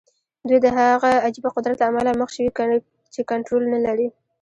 دوی د هغه عجيبه قدرت له امله مخ شوي چې کنټرول نه لري.